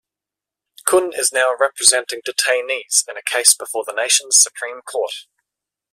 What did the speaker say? Kun is now representing detainees in a case before the nation's Supreme Court.